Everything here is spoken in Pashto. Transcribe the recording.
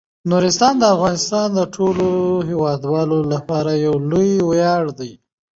نورستان د افغانستان د ټولو هیوادوالو لپاره یو لوی ویاړ دی.